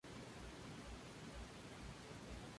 Todos fueron desarmados y conducidos a un lugar aparte.